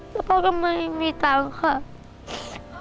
แล้วพ่อก็ไม่มีตังค์ค่ะ